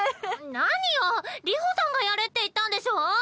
何よ流星さんがやれって言ったんでしょ。